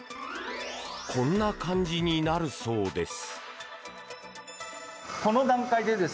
こんな感じになるそうです。